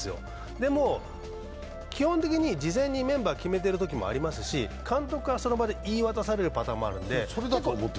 でも基本的に事前にメンバーを決めているときもありますし監督からその場で言い渡される場合もあるので。